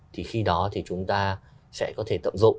thì khi đó thì chúng ta sẽ có thể tận dụng